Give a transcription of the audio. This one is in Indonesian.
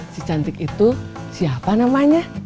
si cantik itu siapa namanya